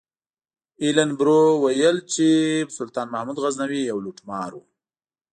ایلن برو ویل چې سلطان محمود غزنوي یو لوټمار و.